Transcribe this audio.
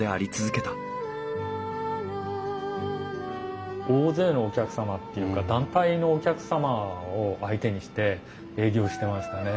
しかし大勢のお客様っていうか団体のお客様を相手にして営業してましたね。